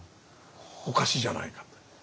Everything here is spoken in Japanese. おかしいじゃないかって。